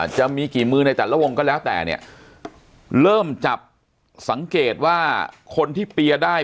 จะมีกี่มือในแต่ละวงก็แล้วแต่เนี่ยเริ่มจับสังเกตว่าคนที่เปียร์ได้